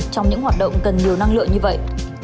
trong những hoạt động cần nhiều năng lượng như vậy